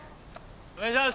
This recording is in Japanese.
お願いします